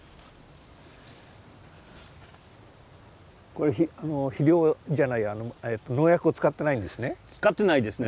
これ肥料じゃないや農薬を使ってないんですね？